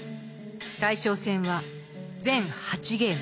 大将戦は全８ゲーム。